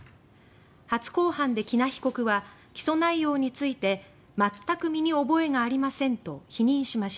初公判で喜納被告は起訴内容について「全く身に覚えがありません」と否認しました。